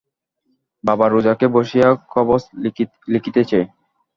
বাবা রোযাকে বসিয়া কবচ লিখিতেছে।